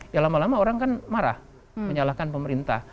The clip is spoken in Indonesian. ya lama lama orang kan marah menyalahkan pemerintah